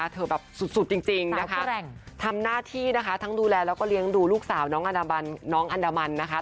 เธอแบบสุดจริงนะคะทำหน้าที่นะคะทั้งดูแลแล้วก็เลี้ยงดูลูกสาวน้องอันน้องอันดามันนะคะ